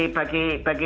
itu bukan bagi